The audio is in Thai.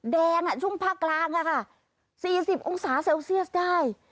แดงช่วงภาคกลางค่ะ๔๐องศาเซลเซียสได้